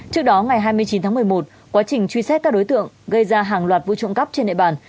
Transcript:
trước đó ngày hai mươi chín tháng một mươi một quá trình truy xét các đối tượng gây ra hàng loạt vụ trộm cắp trên địa bàn